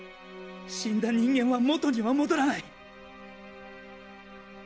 死んだ人間は元には戻らない！